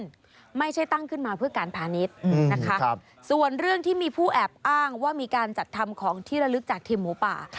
ซึ่งไม่ใช่ตั้งขึ้นมาเพื่อการพาณิชย์นะคะส่วนเรื่องที่มีผู้แอบอ้างว่ามีการจัดทำของที่ระลึกจากทีมหมูป่า